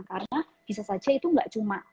karena bisa saja itu gak cuma